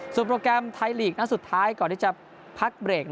โปรแกรมไทยลีกนัดสุดท้ายก่อนที่จะพักเบรก